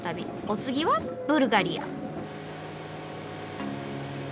お次はブルガリア。